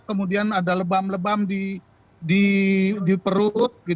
kemudian ada lebam lebam di perut